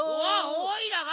おいらが！